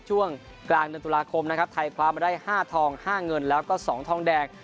ช่วงกลางเดือนตุลาคมนะครับไทยคว้ามาได้๕ทอง๕เงินแล้วก็๒ทองแดง